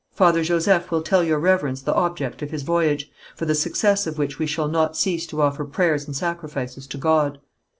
Father Joseph will tell your Reverence the object of his voyage, for the success of which we shall not cease to offer prayers and sacrifices to God.